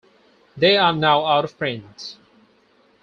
They are now out of print.